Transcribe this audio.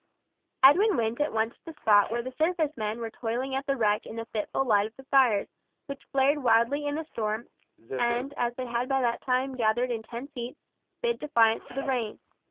Edwin went at once to the spot where the surface men were toiling at the wreck in the fitful light of the fires, which flared wildly in the storm and, as they had by that time gathered intense heat, bid defiance to the rain.